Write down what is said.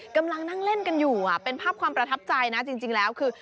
กำลังนั่งเล่นกันอยู่เป็นภาพความประทับใจนะจริงแล้วคือ